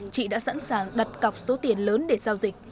chị đã sẵn sàng đặt cọc số tiền lớn để giao dịch